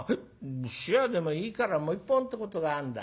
冷やでもいいからもう一本ってことがあるんだ。